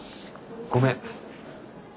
ごめん。